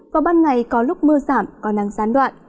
vào ban ngày có lúc mưa giảm còn nắng gián đoạn